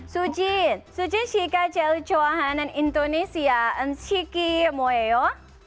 suji suji jika jauh jauhanan indonesia enciknya mau apa